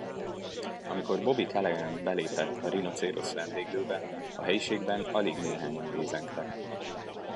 Amikor Bobby Calaghan belépett a Rinocérosz vendéglőbe, a helyiségben alig néhányan lézengtek.